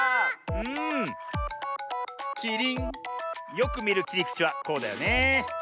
よくみるきりくちはこうだよねえ。